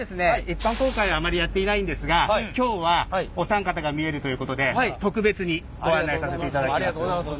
一般公開はあまりやっていないんですが今日はお三方が見えるということで特別にご案内させていただきます。